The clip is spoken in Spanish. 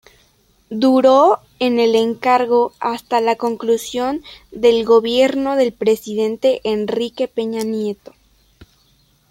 Duró en el encargo hasta la conclusión del Gobierno del presidente Enrique Peña Nieto.